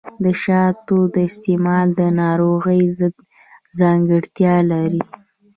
د شاتو استعمال د ناروغیو ضد ځانګړتیا لري.